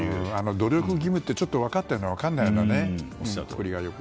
努力義務ってちょっと分かったような分からないような。